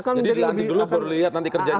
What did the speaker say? jadi nanti dulu baru lihat nanti kerjanya